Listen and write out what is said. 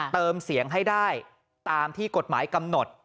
เติมเสียงให้ได้ตามที่กฎหมายกำหนด